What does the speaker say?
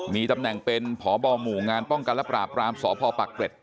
มีตำแหน่งเป็นพบหมู่งานป้องกันและปราบรามสพปักเกร็ด